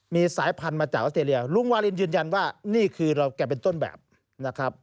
มีสายพันธุ์มาจากออสเตรเลียลุงวาลินยืนยันว่านี่คือเราแกเป็นต้นแบบนะครับ